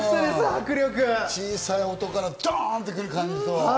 小さい音から、ドンってくる感じと。